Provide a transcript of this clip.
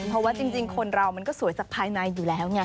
เพราะว่าจริงคนเรามันก็สวยจากภายในอยู่แล้วไง